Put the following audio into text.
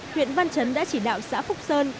hiện văn trấn đã chỉ đạo xã phúc sơn